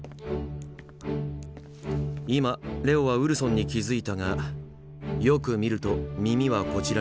今レオはウルソンに気付いたがよく見ると耳はこちらに向いている。